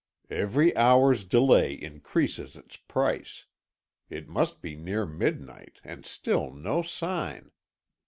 Every hour's delay increases its price. It must be near midnight, and still no sign.